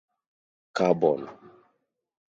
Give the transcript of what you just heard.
Carbon.